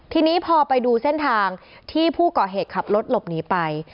ทีนี้พอไปดูเส้นทางที่ผู้ก่อเหตุขับรถหลบหนีไป